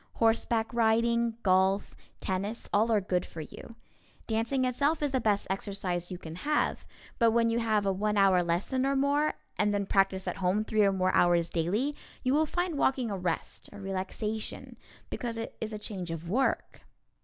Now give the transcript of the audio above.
Horseback riding, golf, tennis, all are good for you. Dancing itself is the best exercise you can have, but when you have a one hour lesson or more, and then practice at home three or more hours daily you will find walking a rest, a relaxation, because it is a change of work.